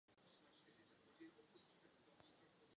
Vzniká tedy hierarchie datových typů.